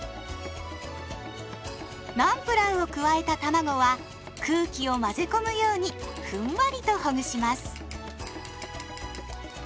ナンプラーを加えたたまごは空気を混ぜ込むようにふんわりとほぐします。